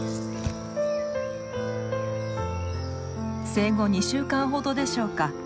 生後２週間ほどでしょうか。